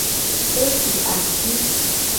E ku ati.